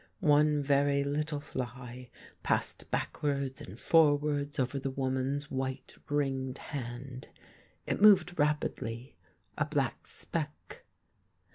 One very little fly passed back wards and forwards over the woman's white ringed hand ; it moved rapidly, a black speck.